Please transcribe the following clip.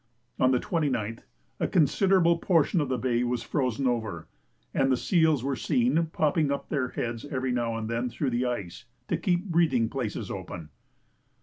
On the 29th a considerable portion of the bay was frozen over, and the seals were seen popping up their heads every now and then through the ice to keep breathing places open.